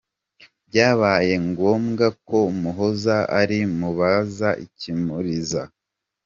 Byabaye ngombwa ko muhoza ariko mubaza ikimuriza.